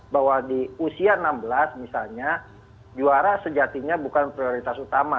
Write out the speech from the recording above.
bahwa di usia enam belas misalnya juara sejatinya bukan prioritas utama